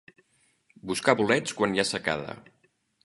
Buscar bolets quan hi ha secada.